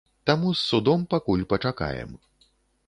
Таму з судом пакуль пачакаем.